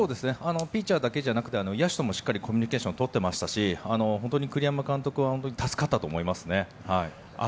ピッチャーだけじゃなくて野手ともコミュニケーションをしっかり取っていましたし栗山監督は助かったと思いますね。